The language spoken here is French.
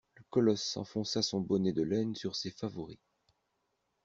Le colosse enfonça son bonnet de laine sur ses favoris.